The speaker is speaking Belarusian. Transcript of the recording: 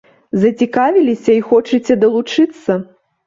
Зацікавіліся і хочаце далучыцца?